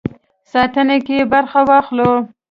ساتنه کې برخه واخلو.